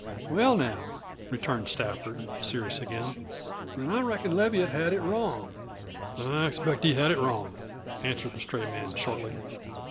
"Well, now," returned Stafford, serious again; "then I reckon Leviatt had it wrong." "I expect he had it wrong," answered the stray man shortly.